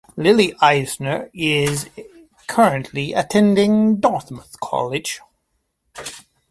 Lily Eisner is currently attending Dartmouth College.